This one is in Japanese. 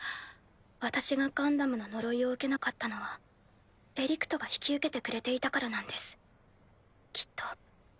私がガンダムの呪いを受けなかったのはエリクトが引き受けてくれていたからなんですきっと。